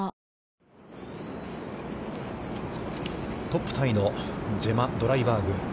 トップタイのジェマ・ドライバーグ。